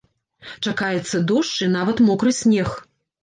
Чакаецца дождж і нават мокры снег.